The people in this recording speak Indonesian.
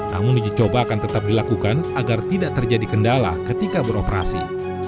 namun uji coba akan tetap dilakukan agar tidak terjadi kendala ketika beroperasi